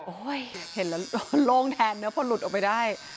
โอ้ยเห็นแล้วโรงแทนเนี่ยพอหลุดออกไปได้